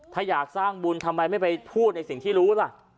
ถ้าอยากสร้างบุญทำไมไม่ไปพูดในสิ่งที่รู้ล่ะ